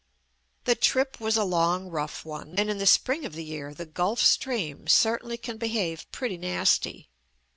The trip was a long rough one, and in the spring of the year the Gulf Stream certainly can behave pretty nasty.